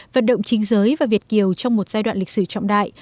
vận động chính giới và việt kiều trong một giai đoạn lịch sử trọng đại